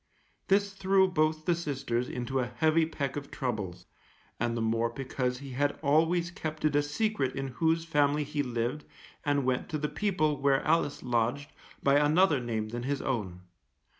This threw both the sisters into a heavy peck of troubles, and the more because he had always kept it a secret in whose family he lived and went to the people where Alice lodged by another name than his own.